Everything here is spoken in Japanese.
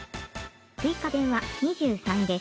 「追加点は２３です」。